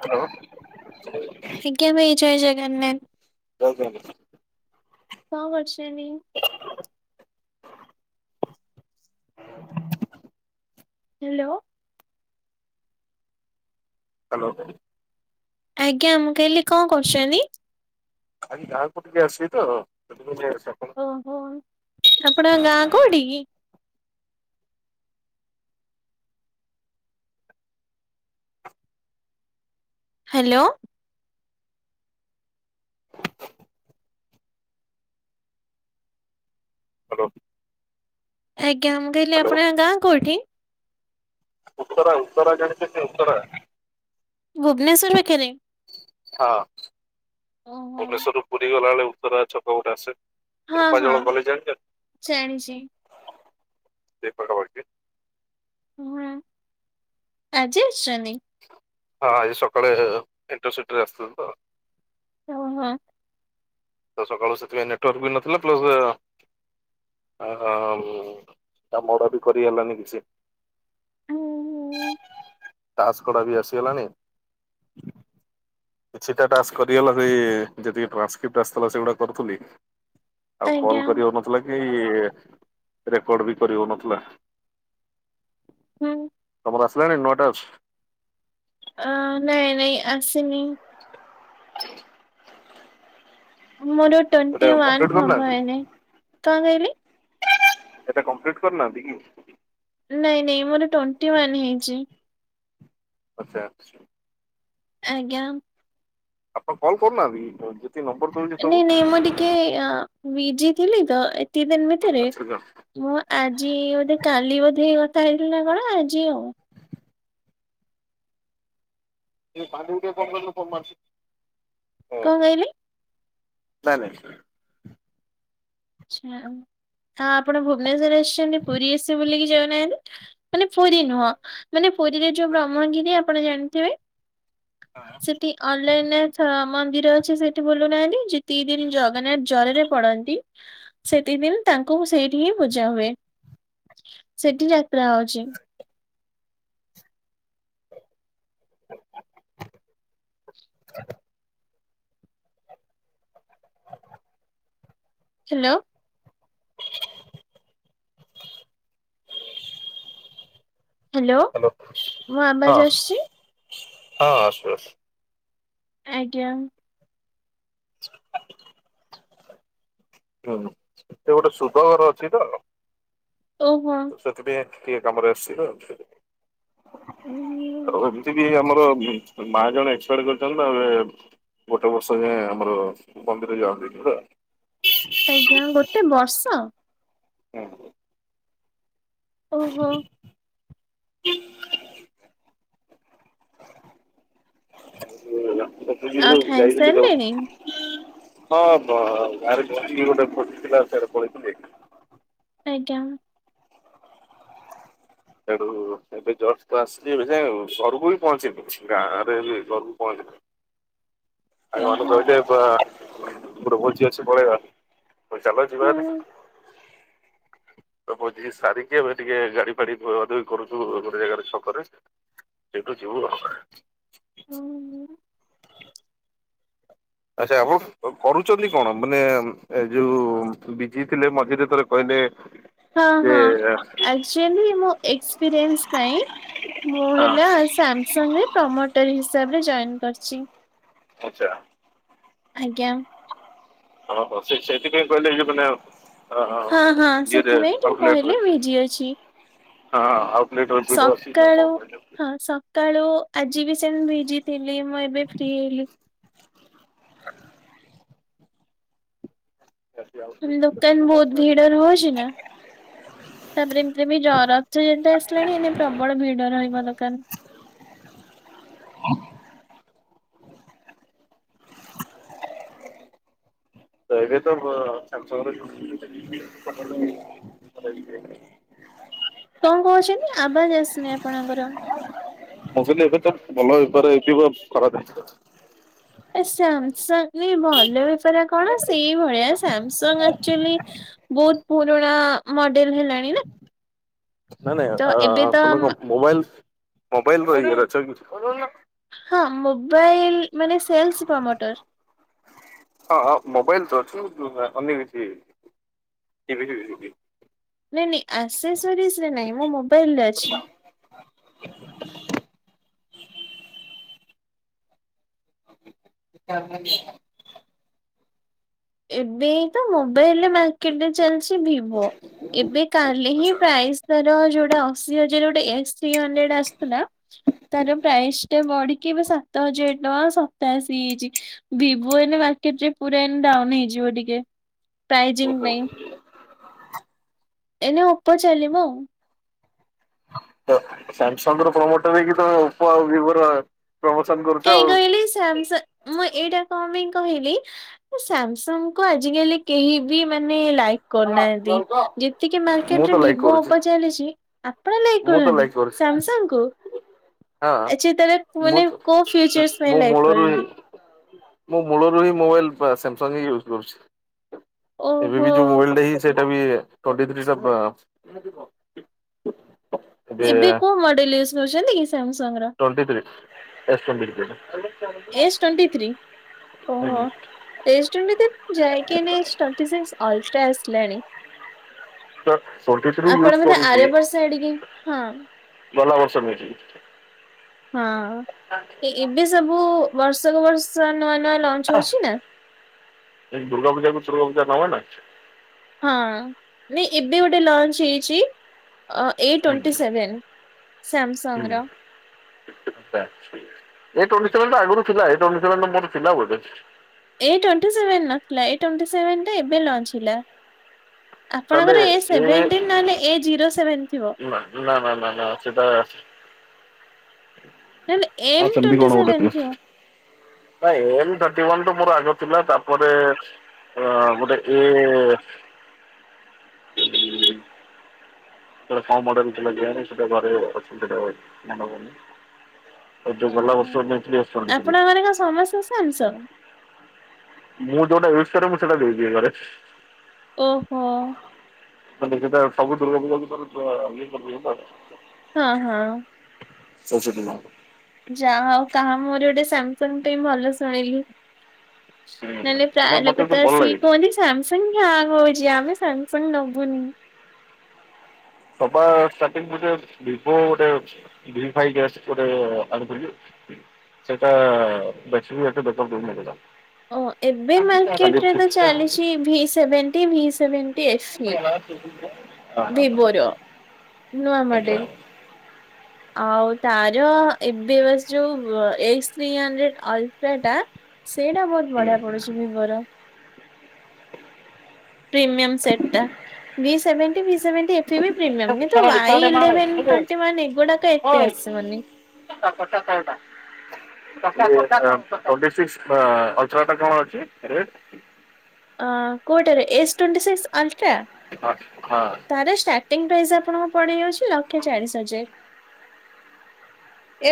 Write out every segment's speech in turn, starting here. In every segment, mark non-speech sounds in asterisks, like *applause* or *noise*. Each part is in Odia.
ହ୍ୟାଲୋ। ଆଜ୍ଞା ଭାଇ ଜୟ ଜଗନ୍ନାଥ। *unintelligible* କଣ କରୁଛନ୍ତି? ହ୍ୟାଲୋ। ହାଲୋ। ଆଜ୍ଞା ମୁଁ କହିଲି କଣ କରୁଛନ୍ତି। ଆଜି ଗାଁକୁ ଟିକେ ଆସିବେ ତ *unintelligible* ଓହୋ ଆପଣଙ୍କ ଗାଁ କୋଉଠି କି? ହ୍ୟାଲୋ। ଆଜ୍ଞା ମୁଁ କହିଲି ହ୍ୟାଲୋ ଆପଣଙ୍କ ଗାଁ କୋଉଠି? ଉତ୍ତରା ଉତ୍ତରା ଜାଣିଛନ୍ତି ଉତ୍ତରା? ଭୁବନେଶ୍ଵର ଭିତରେ? ହଁ। ଓହୋ। ଭୁବନେଶ୍ୱରରୁ ପୁରୀ ଗଲା ବେଳେ ଉତ୍ତରା ଛକ ଗୋଟେ ଆସେ ହଁ ରୁପା ହଁ ଜଳ କଲେଜ ଯାଣିଛନ୍ତି ଜାଣିଛି। ସେଇ ପାଖାପାଖି। ହୁଁ ଆଜି ଆସିଛନ୍ତି? ହଁ ଆଜି ସକାଳେ ଏଣ୍ଟରସିଟିରେ ଆସିଥିଲ ତ। ଓହୋ। ତ ସକାଳୁ ସେଥିପାଇଁ ନେଟୱାର୍କ ବି ନଥିଲା ପ୍ଲସ୍ ଅହ ତା ମଡ ବି କରି ହେଲାନି କିଛି ହୁଁ ତାସ କଡ଼ା ବି ଆସିଗଲାଣି। କିଛିଟା ଟାସ୍କ କରିଗଲା ସେ ଯେତିକି ଟ୍ରାନ୍ସକ୍ରିପ୍ଟ ଆସିଥିଲା ସେଗୁଡ଼ା କରୁଥିଲି। ଆଉ କଲ୍ ଆଜ୍ଞା କରିହଉନଥିଲା କି ରେକର୍ଡ ବି କରିହଉନଥିଲା। ହୁଁ। ତମର ଆସିଲାଣି ନୂଆ ଟାସ୍କ। ଅ ନାଇଁ ନାଇଁ ଆସିନି। *inaudible* ମୋର ଏଟା ଟ୍ୱେଣ୍ଟି ୱାନ୍ କମ୍ପ୍ଲିଟ ହବ କରିନାହାନ୍ତି ଏଇନେ କଣ କହିବି? ଏଟା କମ୍ପ୍ଲିଟ କରୁନାହାନ୍ତି କି? ନାଇଁ ନାଇଁ ମୋର ଟ୍ୱେଣ୍ଟି ୱାନ୍ ହେଇଛି। ଆଚ୍ଛା। ଆଜ୍ଞା। ଆପଣ କଲ୍ କରୁନାହାନ୍ତି ଯେ ନମ୍ବର ଦଉଛି ସବୁ ନାଇଁ ନାଇଁ ମୁଁ ଟିକେ ବିଜି ଥିଲି ତ ଏତିକି ଦିନ ଭିତରେ ଆଚ୍ଛା ନାଇଁ ମୁଁ ଆଜି ବୋଧେ କାଲି ବୋଧେ ହେଇ କଥା ହେଇଥିଲି ନା କଣ ଆଜି ଆଉ? *inaudible* କଣ କହିଲେ? ନାଇଁ ନାଇଁ। ଆଛା ଆ ଆପଣ ଭୁବନେଶ୍ଵର ଆସିଛନ୍ତି ପୁରୀ ଆସିବେ ବୁଲିକି ଯାଉନାହାନ୍ତି? ମାନେ ପୁରୀ ନୁହଁ ମାନେ ପୁରୀରେ ଯୋଉ ବ୍ରହ୍ମଗିରି ଆପଣ ଜାଣିଥିବେ? ସେଠି ଅଲାରନାଥ ମନ୍ଦିର ଅଛି ସେଠି ବୁଲୁନାହାନ୍ତି ଯେତିକି ଦିନ ଜଗନ୍ନାଥ ଜରରେ ପଡନ୍ତି ସେତିକି ଦିନ ତାଙ୍କୁ ସେଇଠି ହିଁ ପୂଜା ହୁଏ। ସେଠି ଯାତ୍ରା ହଉଛି। *inaudible* ହ୍ୟାଲୋ। ହ୍ୟାଲୋ ହଁ ମୋ ହଁ ଆବାଜ ଆସୁଛି ଆସୁ ଆସୁ। ଆଜ୍ଞା। ହୁଁ ସେ ଗୋଟେ ସୁଧ ଘର ଅଛି ତ? ଓହୋ। ସେଥିପାଇଁ ଟିକେ କାମରେ ଆସିଛି ତ ଉଁ ଆଉ ଏମିତି ବି ଆମର ମା ଜଣେ ଏକ୍ସପାଡ କରିଛନ୍ତି ଏ ଗୋଟେ ବର୍ଷ ଯାଏଁ ଆମର ମନ୍ଦିର ଯାଆନ୍ତିନି ହେଲା। କାହିଁକିନା ଗୋଟେ ବର୍ଷ? ହଁ। ଓହୋ। ଆଉ ଯାଇଥିଲ ତ ଖାଇସାରିଲେଣି? ହଁ ବା ଗରେ ଗୋଟେ ପଟିଥିଲା ସେଆଟ ପଳେଇଥିଲେ ଆଜ୍ଞା ସେଠୁ ଏବେ ଜର ଆସିଛି ଏ ସେ ଘରକୁ ବି ପହଞ୍ଚିନି ଗାଁ ରେ ଘରକୁ ପହଞ୍ଚିନି ଆଇ ମନେ ଓହୋ କହିଲେ ବା ଗୋଟେ ବଳିଛି ଆସି ପଳେଇବା ହ ଚାଲ ଯିବା। ହୁଁ। ତ ବଝିକି ସାରିକି ଆମେ ଟିକେ ଗାଡି ଫାଡି ଧୂଆ ଧୂଇ କରୁଛୁ ଗୋଟେ ଜାଗାରେ ଛକରେ। ସେଠୁ ଯିବୁ ଆଉ। ହୁଁ। ଆଚ୍ଛା ଆପଣ କରୁଛନ୍ତି କଣ? ମାନେ ଏ ଯୋଉ ବିଜଜି ଥିଲେ ମଝିରେ ଥରେ କହିଲେ ହଁ ଯେ ହଁ, ଆକ୍ଚୁଲି ମୋ ଏକ୍ସପିରିଏନ୍ସ ପାଇଁ ମୁଁ ହଁ ହେଲା ସାମସଙ୍ଗରେ ପ୍ରମୋଟର ହିସାବରେ ଜଏନ୍ କରିଛି। ଆଛା। ଆଜ୍ଞା। ହଁ ହୋ ସେ ସେଥିପାଇଁ କହିଲେ ଯ ମ ଆ ହ ହ ହଁ ହଁ ଇ ସେଥିପାଇଁ ଟିକେ କହିଲେ କାଲକୁଟର୍ ବିଜି ଅଛି। ହ ସକାଳୁ ଆଉ *unintelligible* ହଁ ସକାଳୁ ଆଜି ବି ସେମ୍ ବିଜି ଥିଲି ମୁଁ ଏବେ ଫ୍ରି ହେଲି। *unintelligible* ମ ଦୋକାନ ବୋହୁତ୍ ଭିଡ଼ ରହୁଛି ନା। ତାପରେ ଏମିତି ରେ ବି ଜର, ରଥ ଯାତ୍ରା ଆସିଲାଣି ଏନା ପ୍ରବଳ ଭିଡ ରହିବ ଦୋକାନ। ତ ଏବେ ତ ସାମ ସଙ୍ଗ *inaudible* କଣ କହୁଛନ୍ତି ଆବାଜ ଆସୁନି ଆପଣଙ୍କର? ମୁଁ କହିଲି ଏବେ ତ ଭଲ ବେପାର ହେଇଥିବ ଖରାପ ଏ ସାମ ସଙ୍ଗ ନାଇଁ ଭଲ ବେପାର କଣ ସେଇଭଳିଆ ସାମସଙ୍ଗ ଆକ୍ଚୁଆଲି ବୋହୁତ୍ ପୁରୁଣା ମଡେଲ ହେଲାଣି ନା। ନାଇଁ ନାଇଁ, ତ ଏବେ ଆ ତ ତମେ କଣ ମୋବାଇଲ, ମୋବାଇଲ ଇଏ ରେ ଅଛ କି? ହଁ ମୋବାଇଲ ମାନେ ସେଲ୍ସ ପ୍ରମୋଟର। ହଁଁ ମୋବାଇଲ ତ ଅଛି, ଅନ୍ୟ କିଛି ଟିଭି ବିଭି ନାଇଁ ନାଇଁ ଆସେ ସରିସ୍ ରେ ନାଇଁ ମୋ ମୋବାଇଲରେ ଅଛି। *inaudible* *inaudible* ଏବେ ତ ମୋବାଇଲ୍ ରେ ମାନେ କେବେ ଚାଲିଛି ଭିବୋ ଏବେ କାଲି ହିଁ ଆଚ୍ଛା ପ୍ରାଇଜ୍ ତାର ଯୋଉଟା ଅଶି ହଜାର ଗୋଟେ ଏସ୍ ଥ୍ରୀ ହଣ୍ଡେଡ ଆସୁଥିଲା। ତାର ପ୍ରାଇଜ୍ ଟା ବଢିକି ଏବେ ସାତ ହଜାର ଟଙ୍କା ସତାଅଶୀ ହେଇଛି। ଭିବୋ ଏଇନା ମାର୍କେଟ୍ ରେ ପୁରା ଏଇ ନା ଡାଉନ୍ ହେଇଯିବ ଟିକେ। ପ୍ରାଇଜ୍ ଓହୋ। ପାଇଁ। ଏନା ଓପ ଚାଲିବ ଆଉ। ସାମସଙ୍ଗ ର ପ୍ରମୋଟର ହେଇକି ତମେ ଓପୋ ଆଉ ଭିବୋ ର ପ୍ରମୋସନ କରୁଛ କାହିଁ ଆଉ। କହିଲି ସାମସଙ୍ଗ ମୁଁ ଏଇଟା କଣ ପାଇଁ କହିଲି ସାମସଙ୍ଗ କୁ ଆଜିକାଲି କେହି ବି ମାନେ ଲାଇକ୍ କରୁନାହାନ୍ତି ଯେତିକି ମୁଁ ମାର୍କେଟରେ ତ ଲାଇକ୍ ଭିବୋ କରୁଛି ଓପୋ ଚାଲିଛି। ଆପଣ ଲଇକ୍ ମୁଁ ତ କରନ୍ତି ଲାଇକ୍ କରୁଛି ସାମସଙ୍ଗ କୁ? ହଁ ଆଛା ତା ହେଲେ ମୁଁ ମାନେ ଫ୍ୟୁଚର୍ ପାଇଁ ମୁଁ ଲାଇକ୍ ମୂଳରୁ ହିଁ କରନ୍ତି। ମୁଁ ମୂଳରୁ ହିଁ ମୋବାଇଲ ସାମସଙ୍ଗ ହିଁ ୟୁଜ୍ କରୁଛି। ଏବେ ବି ଓହୋ ଯୋଉ ମୋବାଇଲଟା ହ ସେଟା ବି *unintelligible* ହ ଏବେ କୋଉ ମଡେଲ ୟୁଜ୍ କରୁଛନ୍ତି କି ସାମସଙ୍ଗ ର? Twenty three, S twenty three. S twenty three. ଓହୋ। ଏସ୍ ଟୋଣ୍ଟି ଥ୍ରୀ ଯାଇକି ଏଇନା ଏସ୍ ଟୋଣ୍ଟି ଥ୍ରୀ ଅଲଟ୍ରା ଆସିଲାଣି। ତ ଟ୍ୱେଣ୍ଟି ଥ୍ରୀ ୟୁଜ୍ ଆପଣ ମତେ କରୁଛି ଆର ବର୍ଷ ଏଡିକି ହଁ ଗଲ ବର୍ଷ *unintelligible* ହଁ ଏବେ ସବୁ ବର୍ଷକୁ ବର୍ଷ ନୂଆ ନୂଆ ଲଞ୍ଚ ହଉଛି ନା। ଦୁର୍ଗା ପୂଜା କୁ ଦୁର୍ଗା ପୂଜା ନେବାନା। ହଁ ନାଇଁ ଏବେ ଗୋଟେ ଲଞ୍ଚ ହେଇଛି। ଏ ଟ୍ୱେଣ୍ଟି ସେଭେନ୍ ସାମସଙ୍ଗ ର। ଆଛା ଏ ଟ୍ୱେଣ୍ଟି ସେଭେନ୍ ଆଗରୁ ଥିଲା ଏ ଟ୍ୱେଣ୍ଟି ସେଭେନ୍ ଟା ମୋର ଥିଲା ବୋଧେ। ଏ ଟ୍ୱେଣ୍ଟି ସେଭେନ୍ ନଥିଲା ଏ ଟ୍ୱେଣ୍ଟି ସେଭେନ୍ଟା ଏବେ ଲଞ୍ଚ ହେଲା। ଆପଣଙ୍କର ଏ ସେଭେନଟିନ ନହେଲେ ଏ ଜିରୋ ସେଭେନ ଥିବ। ନା ନା ନା ନା ସେଟା ନହେଲେ ଏମ ହଁ ସେମିତି ଟ୍ୱେଣ୍ଟି କଣ ଗୋଟେ ସେଭେନ ଥିଲା। ଥିବ। ନ ଏମ ଥାର୍ଟି ୱାନ ତ ମୋର ଆଗ ଥିଲା ତାପରେ ଅ ଗୋଟେ ଏ ହ ହଁ ସେଟା ପମଡଲଥିଲା କେଜାଣି ସେଟା ଘରେ ଅଛି ସେଟା ମନେ ହଉନି। ଏବେ ଗଲା ବର୍ଷ ନେଇଥିଲି ଏସ ଟ୍ବେଣ୍ଟି ଆପଣଙ୍କର କଣ ସମସ୍ତେ ଥ୍ରି। ସାମସଙ୍ଗ ମୁଁ ଯୋଉଟା ୟୁଜ କରେ ମୁଁ ସେଟା ଦେଇଦିଏ ଘରେ। ଓହୋ ଦେଖ ସବୁ ଦୁର୍ଗା ପୂଜା ଇ କର *unintelligible* ହଁ ହଁ *unintelligible* ଯାହା ହଉ କାହା ମୁଁହରେ ଗୋଟେ ସାମସଙ୍ଗ ପାଇଁ ଭଲ ଶୁଣିଲି। ନହେଲେ ହୁଁ ନା ପ୍ରାୟ ମତେ ଲୋକ ତ ଭଲ ଆସିକି ଲାଗେ। କୁହନ୍ତି ସାମସଙ୍ଗ ହ୍ୟାଙ୍ଗ ହଉଛି ଆମେ ସାମସଙ୍ଗ ନବୁନି। ସବା *unintelligible* ଭିବୋ ଗୋଟେ *unintelligible* ସେଟା *unintelligible* ଓ ଏବେ ମାର୍କେଟରେ ତ ଚାଲିଛି ସିକ୍ସ ଭି ସେଭେଣ୍ଟି ଭି ସେଭେଣ୍ଟି ଏଫି। ହଁ ହଁ ହଁ। ଅ ନୂଆ ମଡେଲ। ଆଉ ତାର ଏବେ ବାସ ଯୋଉ ଏସ ଥ୍ରି ହଣ୍ଡ୍ରେଡ ଆଲଟ୍ରା ଟା ସେଇଟା ବହୁତ ବଢିଆ ପଡୁଛି ଭିବୋର। ପ୍ରିମିୟମ୍ ସେଟ୍ ଟା। V seven. ଭି ସେଭେଣ୍ଟି ଏଫି ବି ପ୍ରିମିୟମ କିନ୍ତୁ ୱାଏ ଇଲେଭେନ୍ ଟ୍ବେଣ୍ଟି ୱାନ ଏଗୁଡାକ ଏତେ ଆସିବନି। *unintelligible* *unintelligible* ଟ୍ବେଣ୍ଟି ସିକ୍ସ ଅଲଟ୍ରା ଟା କଣ ଅଛି ରେଟ? ଅ କୋଟାରେ ଏସ୍ ଟ୍ୱଣ୍ଟିି ସିକ୍ସ୍ ଅଲଟ୍ରା? ହଁ ହଁ ତାର ଷ୍ଟାର୍ଟିଂ ପ୍ରାଇସ୍ ଆପଣଙ୍କ ପଡି ଯାଉଛି ଲଖେ ଚାଳିଶ ହଜାର।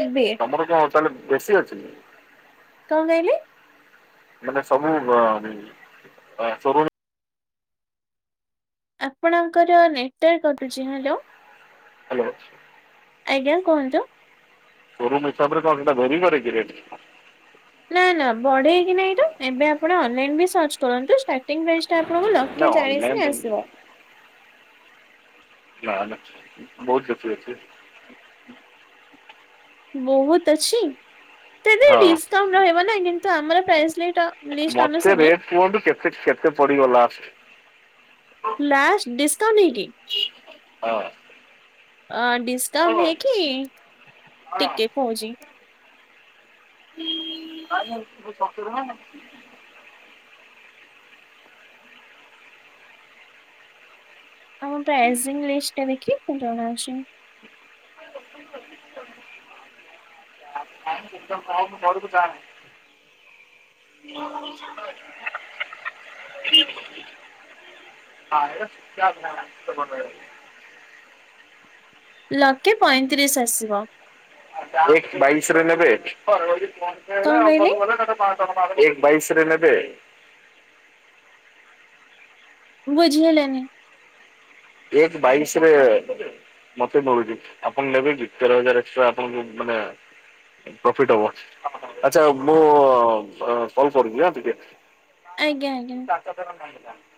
ଏବେ ତମର କଣ ତାହଲେ ବେଶୀ ଅଛି। କଣ କହିଲେ? ମାନେ ସବୁ ସ ଆପଣଙ୍କର ନେଟୱାର୍କ କଟୁଛି ହ୍ୟାଲୋ। ହ୍ୟାଲୋ ଆଜ୍ଞା କୁହନ୍ତୁ? *unintelligible* ନା ନା ବଢେଇକି ନାଇଁ ତ, ଏବେ ଆପଣ ଅନଲାଇନ ବି ସର୍ଚ୍ଚ କରନ୍ତୁ ଷ୍ଟାର୍ଟିଂ ପ୍ରାଇସ୍ ଏଟା ଆପଣଙ୍କୁ ନା ଲକ୍ଷେ ଚାଳିଶି ହିଁ ଅନଲାଇନ୍ ଆସିବ। ନା ନା ବହୁତ *unintelligible* ବହୁତ୍ ଅଛି? ତ ଏଥିରେ ହଁ ଡିସକାଉଣ୍ଟ ରହିବ ନା। କିନ୍ତୁ ଆମର ପ୍ରାଇସ୍ ରେ ମତେ ରେଟ୍ କୁହନ୍ତୁ କେତେ କେତେ ପଡିଗଲା? ଲାଷ୍ଟ ଡିସ୍କକାଉଣ୍ଟ ନାହିଁକି? ହଁ। ଅ ଡିସ୍କାଉଣ୍ଟ ହେଇକି ଟିକେ କହୁଚି। *inaudible* ଆମ ପ୍ରାଇଜିଙ୍ଗ୍ ଲିଷ୍ଟ ଟା ଦେଖି ମୁଁ ଜଣାଉଚି। *inaudible* ହଉ ମୁଁ ଘରୁକୁ ଯାଏ। *inaudible* *unintelligible* ଲକ୍ଷେ ପଇଁତିରିଶ୍ ଆସିବ। ଏକ୍ ବାଇଶିି ରେ ନେବେ। ଏକ୍ କଣ କହିଲେ ବାଇଶିି ରେ ନେବେ। ବୁଝିହେଲାନି। ଏକ୍ ବାଇଶ୍ ରେ ମତେ ମିଳୁଚି। ଆପଣ ନେବେ କି ତେର ହଜାର ଏକ୍ଟ୍ରା ଆପଣଙ୍କୁ ମାନେ ପ୍ରଫିଟ୍ ହବ। ଆଚ୍ଛା ମୁଁ କଲ୍ କରୁଚି ଆଁ ଟିକେ। ଆଜ୍ଞା ଆଜ୍ଞା। *unintelligible*